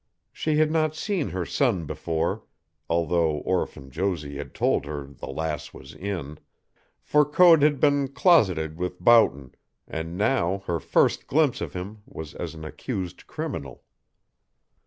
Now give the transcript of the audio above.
She had not seen her son before (although orphan Josie had told her the Lass was in), for Code had been closeted with Boughton, and now her first glimpse of him was as an accused criminal.